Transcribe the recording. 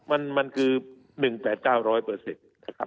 มันคือ๑แปด๙๐๐เปอร์เซ็นต์ครับ